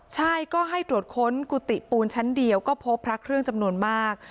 ใช่ก็ให้ตรวจค้นกุฏิปูนชั้นเดียวก็พบพระเครื่องจำนวนมาก